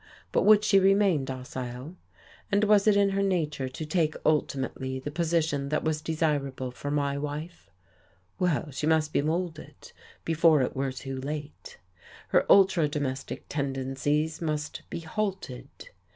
But would she remain docile? and was it in her nature to take ultimately the position that was desirable for my wife? Well, she must be moulded, before it were too late. Her ultra domestic tendencies must be halted.